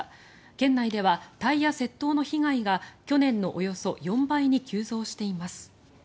県内ではタイヤ窃盗の被害が去年のおよそ４倍に急増しています。